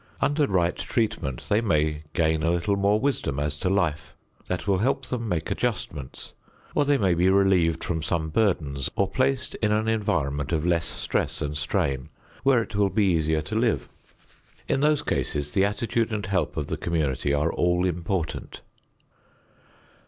Under right treatment they may gain a little more wisdom as to life that will help them make adjustments; or they may be relieved from some burdens, or placed in an environment of less stress and strain where it will be easier to live. In those cases, the attitude and help of the community are all important.